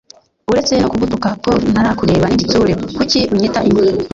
uretse no kugutuka ko ntarakureba n’igitsure kuki unyita imbwa